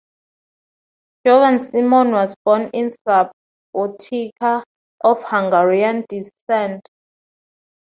Jovan Simmon was born in Subotica, of Hungarian descent.